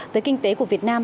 tới kinh tế của việt nam